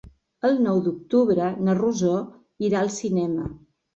El nou d'octubre na Rosó irà al cinema.